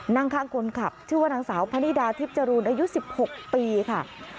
นั่งข้างคนขับชื่อว่านางสาวพนิดาทิพย์จรูนอายุ๑๖ปีค่ะ